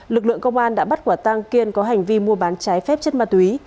lực lượng công an đã bắt quả tang kiên có hành vi mua bán trái phép chất ma túy